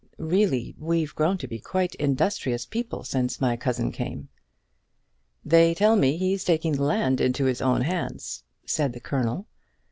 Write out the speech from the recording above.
Really, we've grown to be quite industrious people since my cousin came." "They tell me he's taking the land into his own hands," said the Colonel.